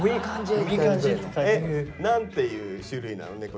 何ていう種類なの？